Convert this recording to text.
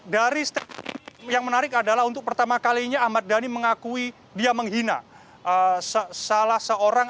dari yang menarik adalah untuk pertama kalinya ahmad dhani mengakui dia menghina salah seorang